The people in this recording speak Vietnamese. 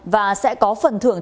và sẽ có phần thưởng